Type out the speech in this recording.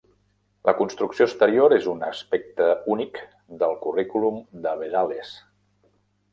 La construcció exterior és un aspecte únic del currículum de Bedales.